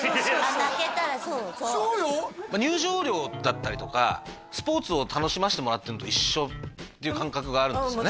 そうそうよ入場料だったりとかスポーツを楽しましてもらってるのと一緒っていう感覚があるんですよ